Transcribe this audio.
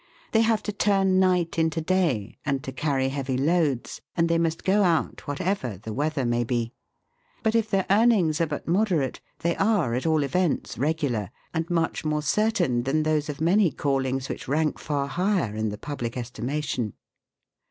They have to turn night into day, and to carry heavy loads, and they must go out whatever the weather may be. But if their earnings are but moderate, they are, at all events, regular, and much more certain than those of many callings which rank far higher in the public estimation.